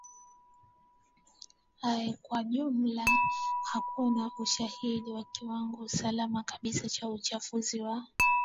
i kwa ujumla hakuna ushahidi wa kiwango salama kabisa cha uchafuzi wa